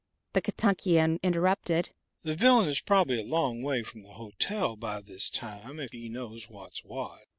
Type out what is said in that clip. '" The Kentuckian interrupted: "The villain is probably a long way from the hotel by this time if he knows what's what!"